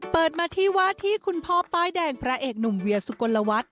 เปิดมาที่ว่าที่คุณพ่อป้ายแดงพระเอกหนุ่มเวียสุกลวัฒน